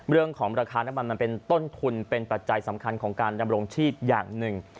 เรื่องของราคาน้ำมันมันเป็นต้นทุนเป็นปัจจัยสำคัญของการดำรงชีพอย่างหนึ่ง